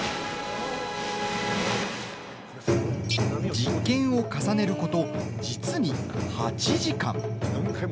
実験を重ねること、実に８時間。